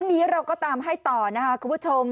วันนี้เราก็ตามให้ต่อนะคะคุณผู้ชม